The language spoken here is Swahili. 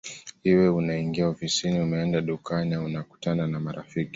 Iwe unaingia ofisini umeenda dukani au unakutana na marafiki